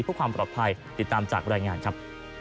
เพื่อความปลอดภัยติดตามจากรายงานครับ